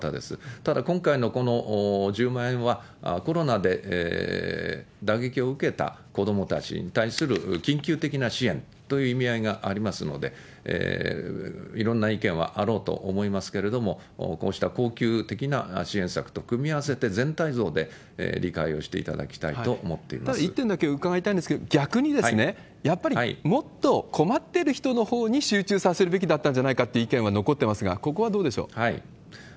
ただ、今回のこの１０万円は、コロナで打撃を受けた子どもたちに対する緊急的な支援という意味合いがありますので、いろんな意見はあろうと思いますけれども、こうした恒久的な支援策と組み合わせて、全体像で理解をしていたただ、一点だけ伺いたいんですけれども、逆に、やっぱりもっと困ってる人のほうに集中させるべきだったんじゃないかという意見は残ってますが、ここはどうでしょう？